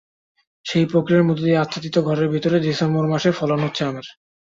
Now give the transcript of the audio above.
সেই প্রক্রিয়ার মধ্য দিয়ে আচ্ছাদিত ঘরের ভেতরে ডিসেম্বর মাসে ফলন হচ্ছে আমের।